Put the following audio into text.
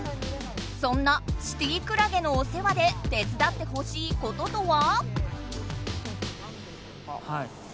そんな「シティークラゲ」のお世話で手つだってほしいこととは？